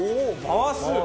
回す！